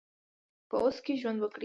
په اوس کې ژوند وکړئ